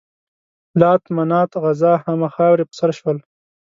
لات، منات، عزا همه خاورې په سر شول.